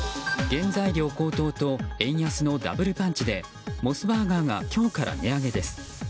原材料高騰と円安のダブルパンチでモスバーガーが今日から値上げです。